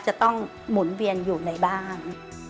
จะต้องหมุนเวียนอยู่ในบ้าน